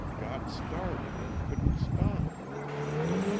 "Got started and couldn't stop."